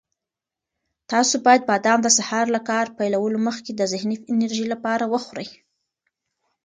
تاسو باید بادام د سهار له کار پیلولو مخکې د ذهني انرژۍ لپاره وخورئ.